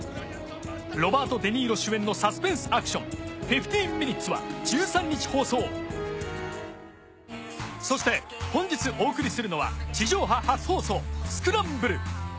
ロバート・デ・ニーロ主演のサスペンスアクション『１５ミニッツ』は１３日放送そして本日お送りするのは地上波初放送『スクランブル』。